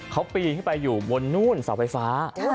เขาปีนขึ้นไปอยู่มนุ่นสนภาษา